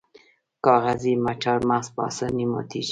کاغذي چهارمغز په اسانۍ ماتیږي.